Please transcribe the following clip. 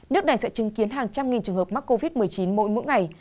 nước này sẽ chứng kiến hàng trăm nghìn trường hợp mắc covid một mươi chín mỗi ngày